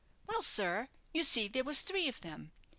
"Well, sir, you see there was three of them.